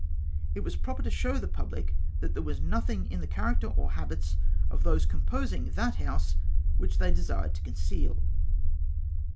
It was proper to show the pubhc that there was nothing in the character or habits of those composing that House wliich they desired to conceal."